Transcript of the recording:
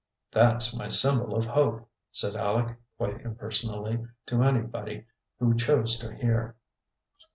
"That's my symbol of hope," said Aleck quite impersonally, to anybody who chose to hear.